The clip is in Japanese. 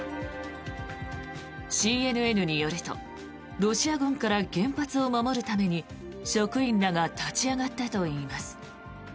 ＣＮＮによるとロシア軍から原発を守るために職員らが立ち上がったといいます。